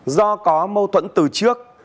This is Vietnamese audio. do có mâu thuẫn từ trước